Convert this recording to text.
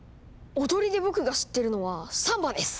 踊りで僕が知ってるのはサンバです！